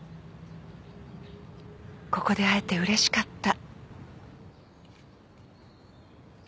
ここで会えてうれしかった。